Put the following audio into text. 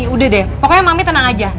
udah deh pokoknya mami tenang aja